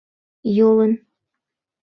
— Йолын.